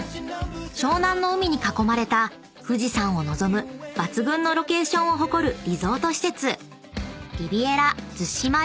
［湘南の海に囲まれた富士山を望む抜群のロケーションを誇るリゾート施設］